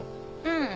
うん。